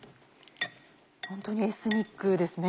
ホントにエスニックですね。